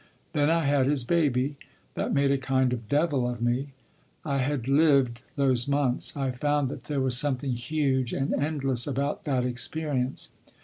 Then I had his baby. That made a kind of devil of me. I had lived those months. I found that there was something huge and endless about that experience.